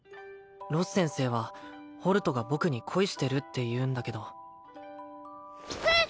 ロス先生はホルトが僕に恋してるって言うんだけどえっ！？